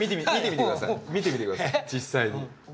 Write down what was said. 見てみてください実際に。